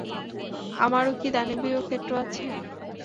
আমারও কী দানবীয় ক্ষেত্র আছে?